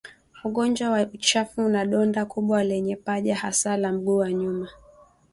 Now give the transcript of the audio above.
ugonjwa wa uchafu na donda kubwa kwenye paja hasa la mguu wa nyuma